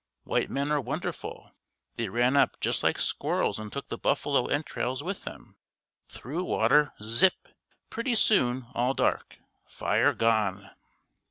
White men are wonderful. They ran up just like squirrels and took the buffalo entrails with them. Threw water, zip! Pretty soon, all dark! Fire gone!"